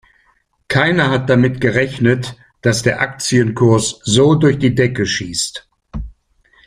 Keiner hat damit gerechnet, dass der Aktienkurs so durch die Decke schießt.